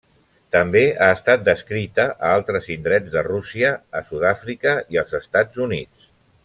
També ha estat descrita a altres indrets de Rússia, a Sud-àfrica i als Estats Units.